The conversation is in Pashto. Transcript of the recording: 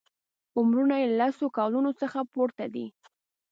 عمرونه یې له سلو کالونو څخه پورته دي.